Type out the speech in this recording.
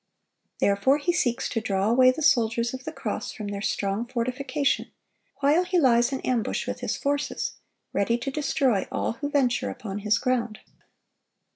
Therefore he seeks to draw away the soldiers of the cross from their strong fortification, while he lies in ambush with his forces, ready to destroy all who venture upon his ground.